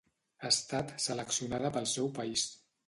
Ha estat seleccionada pel seu país.